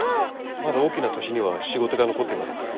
まだ大きな都市には仕事が残っています。